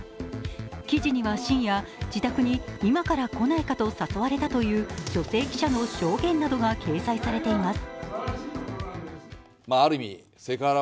記事には、深夜、自宅に今から来ないかと誘われたという女性記者の証言などが掲載されています。